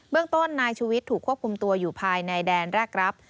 ต้นนายชูวิทย์ถูกควบคุมตัวอยู่ภายในแดนแรกรับ